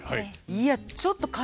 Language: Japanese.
いやちょっと多分。